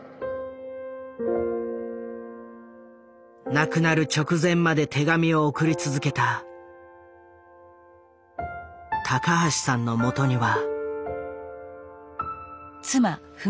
亡くなる直前まで手紙を送り続けた高橋さんのもとには。